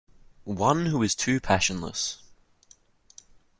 One who is too passionless.